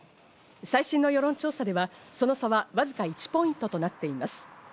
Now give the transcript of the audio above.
最新の世論調査では、その差はわずか１ポイントとなっています。